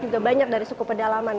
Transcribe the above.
juga banyak dari suku pedalaman